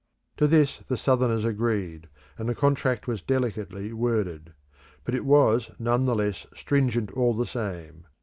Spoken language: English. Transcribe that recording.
To this the Southerners agreed, and the contract was delicately worded; but it was none the less stringent all the same.